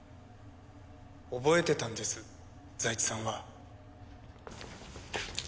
覚えてたんです財津さんは。